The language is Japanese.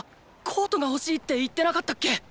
コートがほしいって言ってなかったっけ？